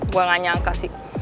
gue gak nyangka sih